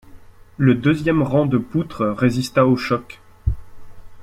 Le deuxième rang de poutres résista au choc.